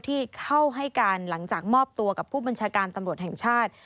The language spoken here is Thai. ที่เข้าให้การหลังจากมอบตัวกับผู้บัญชาการตำรวจแห่งชาติ